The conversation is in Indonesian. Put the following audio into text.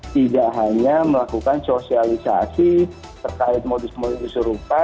tidak hanya melakukan sosialisasi terkait modus modus serupa